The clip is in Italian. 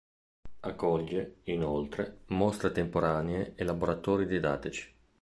Accoglie, inoltre, mostre temporanee e laboratori didattici.